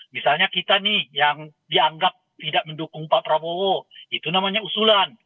misalnya kita nih yang dianggap tidak mendukung pak prabowo itu namanya usulan